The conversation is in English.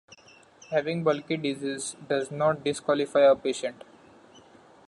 Having bulky disease does not disqualify a patient.